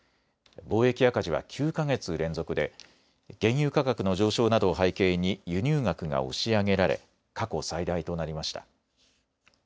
貿易赤字は９か月連続で原油価格の上昇などを背景に輸入額が押し上げられ過去最大となりました。